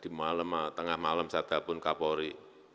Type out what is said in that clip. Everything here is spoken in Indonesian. di malam tengah malam saya telepon kapolri